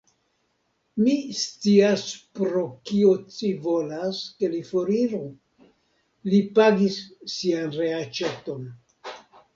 Mi scias, pro kio ci volas, ke li foriru: li pagis sian reaĉeton.